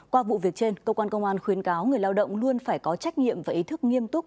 qua vụ việc trên cơ quan công an khuyến cáo người lao động luôn phải có trách nhiệm và ý thức nghiêm túc